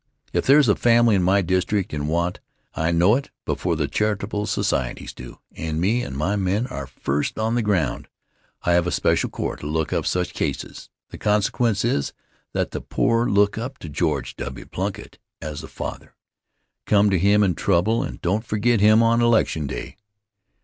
If there's a family in my district in want I know it before the charitable societies do, and me and my men are first on the ground. I have a special corps to look up such cases. The consequence is that the poor look up to George W. Plunkitt as a father, come to him in trouble and don't forget him on election day.